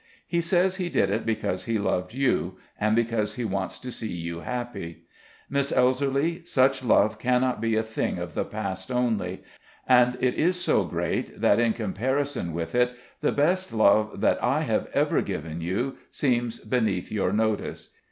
He says he did it because he loved you, and because he wants to see you happy. Miss Elserly, such love cannot be a thing of the past only, and it is so great that in comparison with it the best love that I have ever given you seems beneath your notice.